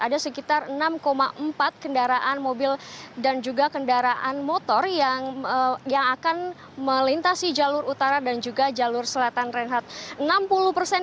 ada sekitar enam empat kendaraan mobil dan juga kendaraan motor yang akan melintasi jalur utara dan juga jalur selatan reinhardt